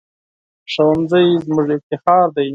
ښوونځی زموږ افتخار دی